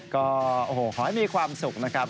ก็ขอให้มีความสุขนะครับ